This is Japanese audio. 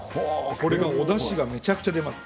これがおだしがめちゃくちゃ出ます。